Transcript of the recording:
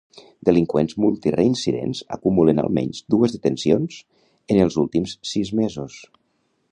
Delinqüents multireincidents acumulen almenys dues detencions en els últims sis mesos.